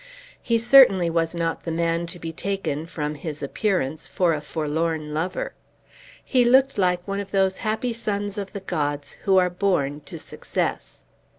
He certainly was not the man to be taken, from his appearance, for a forlorn lover. He looked like one of those happy sons of the gods who are born to success.